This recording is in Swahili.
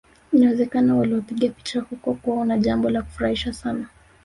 Inawezekana waliwapiga picha huko kwao na jambo la kufurahisha sana